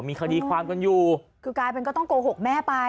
มีคดีความกันอยู่คือกลายเป็นก็ต้องโกหกแม่ไป